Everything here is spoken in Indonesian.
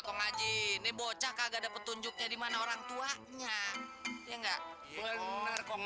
kong haji ini bocah kagak ada petunjuknya dimana orang tuanya ya enggak bener kong